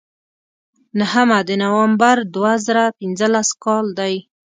نهمه د نومبر دوه زره پینځلس کال دی.